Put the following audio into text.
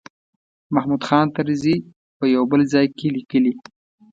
محمود خان طرزي په یو بل ځای کې لیکلي.